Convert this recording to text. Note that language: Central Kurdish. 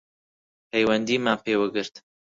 پەیوەندیمان پێوە گرت